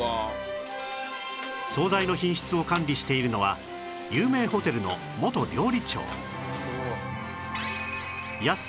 惣菜の品質を管理しているのは有名ホテルの元料理長